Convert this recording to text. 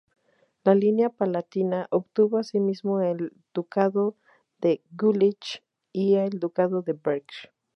La línea palatina obtuvo asimismo el Ducado de Jülich y el Ducado de Berg.